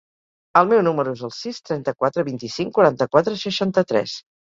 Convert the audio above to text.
El meu número es el sis, trenta-quatre, vint-i-cinc, quaranta-quatre, seixanta-tres.